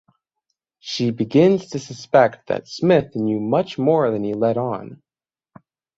She begins to suspect that Smith knew much more than he let on.